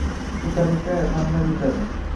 Shu tariqa gamlar yutadi